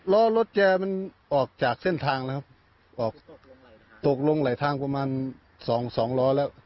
ล้อรถแจมันออกจากเส้นทางนะครับตกลงไหลทางประมาณ๒ล้อแล้ว